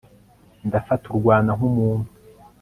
ndafata u rwanda nk'umuntu